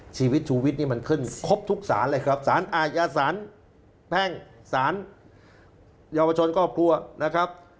ชีวิตชูวิตนี่มันขึ้นครบทุกศาลเลยครับศาลอาญาศาลแพ่งศาลเยาวชนก็ครัวนะครับ